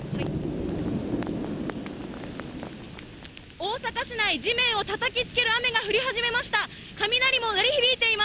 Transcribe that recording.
大阪市内、地面をたたきつける雨が降り始めました。